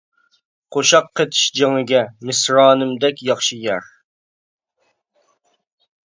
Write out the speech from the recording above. قوشاق قېتىش جېڭىگە، مىسرانىمدەك ياخشى يەر.